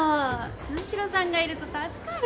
鈴代さんがいると助かる。